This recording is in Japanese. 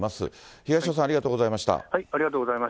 東尾さん、ありがとうございました。